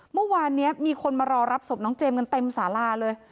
เมื่อวานนี้มีคนมารอรับศพน้องเจมส์กันเต็มสาราเลย